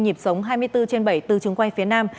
nhịp sống hai mươi bốn trên bảy từ trường quay phía nam